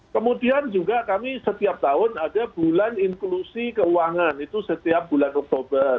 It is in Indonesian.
kemudian juga kami setiap tahun ada bulan inklusi keuangan itu setiap bulan oktober